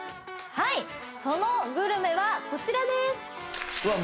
はいそのグルメはこちらですうわ